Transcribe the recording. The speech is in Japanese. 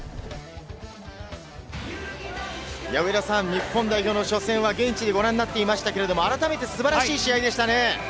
日本代表の初戦は現地でご覧になっていましたけれど、改めて素晴らしい試合でしたね。